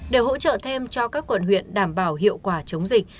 để hỗ trợ thêm cho các quận huyện đảm bảo hiệu quả chống dịch